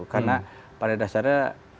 karena pada dasarnya